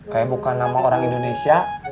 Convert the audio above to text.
kayak bukan nama orang indonesia